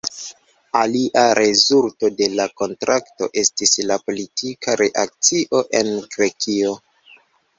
Alia rezulto de la kontrakto estis la politika reakcio en Grekio.